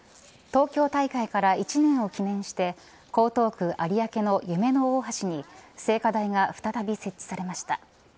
東京大会から１年を記念して江東区有明の夢の大橋に聖火台が再び設置されました。